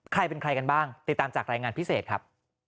ใครเป็นใครกันบ้างติดตามจากรายงานพิเศษครับ